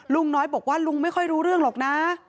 ลุงน้อยบอกว่าลุงไม่ค่อยรู้เรื่องหรอกนะ